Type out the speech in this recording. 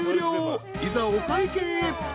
［いざお会計］